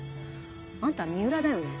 あんた三浦だよね？